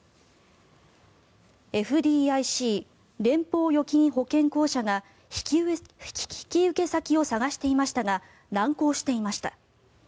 ＦＤＩＣ・連邦預金保険公社が引き受け先を探していましたが難航していました。